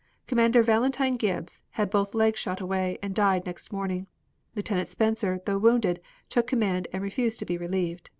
Commander Valentine Gibbs had both legs shot away, and died next morning. Lieutenant Spencer though wounded, took command and refused to be relieved.